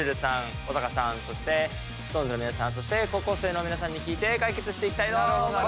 小高さんそしてＳｉｘＴＯＮＥＳの皆さんそして高校生の皆さんに聞いて解決していきたいと思います。